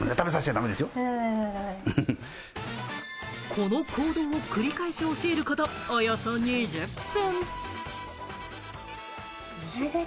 この行動を繰り返し教えることおよそ２０分。